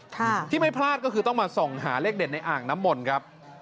ค่ะที่ไม่พลาดก็คือต้องมาส่องหาเลขเด็ดในอ่างน้ำมนต์ครับ